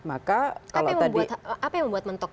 apa yang membuat mentok